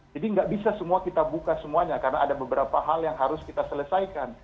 jadi tidak bisa semua kita buka semuanya karena ada beberapa hal yang harus kita selesaikan